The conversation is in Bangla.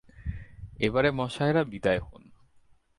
এবারে মশায়রা বিদায় হোন।